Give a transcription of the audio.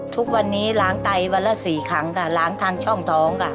ทุกวันนี้ล้างไตวันละ๔ครั้งค่ะล้างทางช่องท้องค่ะ